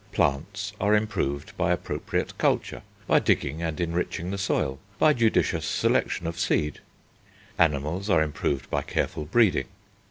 Plants are improved by appropriate culture, by digging and enriching the soil, by judicious selection of seed; animals are improved by careful breeding.